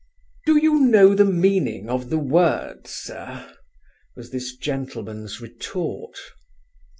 "Do you know the meaning of the word, sir?" was this gentleman's retort.